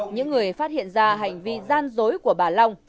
những người phát hiện ra hành vi gian dối của bà long